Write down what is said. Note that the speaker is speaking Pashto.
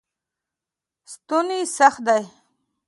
ستوني سخت دی.